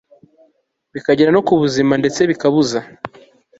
bikagera no ku buzima ndetse bikabuza